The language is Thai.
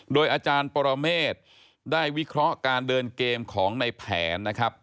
โดยอาจารย์ปรเมฆได้วิเคราะห์การเดินเกมของในแผนนะครับ